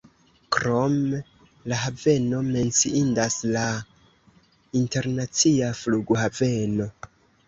Krom la haveno menciindas la internacia flughaveno.